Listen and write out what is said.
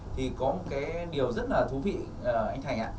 thì có một cái điều rất là thú vị anh thành ạ